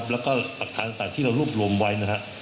และก็รักฐานต่างที่เรารูปรวมไว้